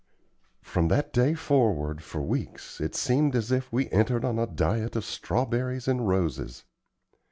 From that day forward, for weeks, it seemed as if we entered on a diet of strawberries and roses.